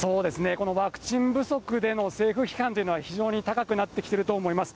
このワクチン不足での政府批判というのは、非常に高くなってきてると思います。